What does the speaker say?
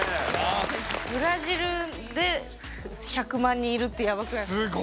ブラジルで１００万人いるってヤバくないですか？